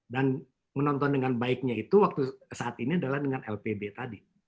dan menonton dengan baiknya itu saat ini adalah dengan lpb tadi